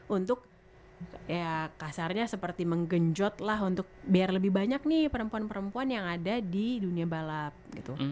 untuk ya kasarnya seperti menggenjotlah untuk biar lebih banyak nih perempuan perempuan yang ada di dunia balap gitu